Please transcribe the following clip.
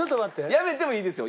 やめてもいいですよ